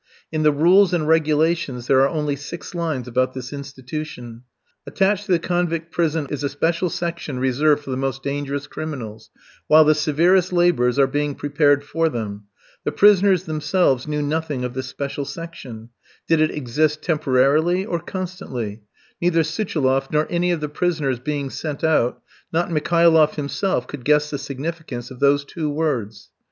In the rules and regulations there are only six lines about this institution. Attached to the convict prison of is a special section reserved for the most dangerous criminals, while the severest labours are being prepared for them. The prisoners themselves knew nothing of this special section. Did it exist temporarily or constantly? Neither Suchiloff nor any of the prisoners being sent out, not Mikhailoff himself could guess the significance of those two words.